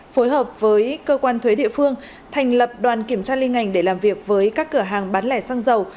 phối hợp với cơ quan thuế địa phương thành lập đoàn kiểm tra liên ngành để làm việc với các cửa hàng bán lẻ xăng dầu